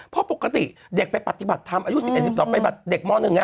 เพราะปกติเด็กไปปฏิบัติธรรมอายุ๑๒ไปปฏิบัติธรรม